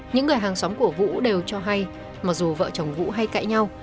những người hàng xóm của vũ đều cho hay mặc dù vợ chồng vũ hay cãi nhau